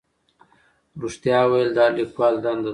رښتیا ویل د هر لیکوال دنده ده.